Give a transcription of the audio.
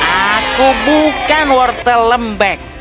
aku bukan wortelan